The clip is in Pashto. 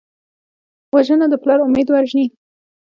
وژنه د پلار امید وژني